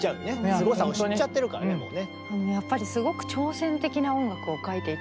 すごさを知っちゃってるからねもうね。